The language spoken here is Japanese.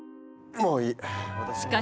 もういい！